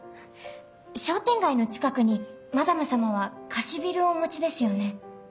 商店街の近くにマダム様は貸しビルをお持ちですよね？